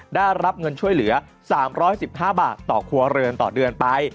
ได้รับเงินช่วยเหลือ๓๑๕บาทต่อครัวเรือนต่อเดือนไป